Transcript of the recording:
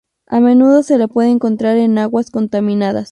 A menudo se le puede encontrar en aguas contaminadas.